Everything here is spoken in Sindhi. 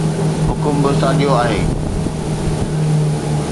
حڪم به ساڳيو آهي.